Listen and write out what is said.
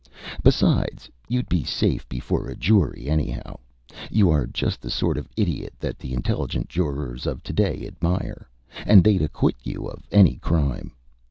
Besides, you'd be safe before a jury, anyhow. You are just the sort of idiot that the intelligent jurors of to day admire, and they'd acquit you of any crime.